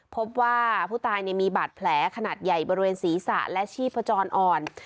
พบว่าผู้ตายมีบาดแผลขนาดใหญ่บริเวณศีรษะและชีพจรอ่อน